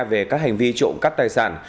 về các hành vi trộm cắt tài sản